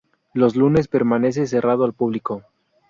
Los lunes permanece cerrado al público.